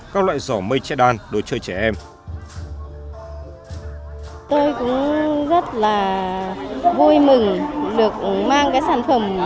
các loại giỏ mây che đan đồ chơi trẻ em